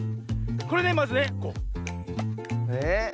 これねまずね。え？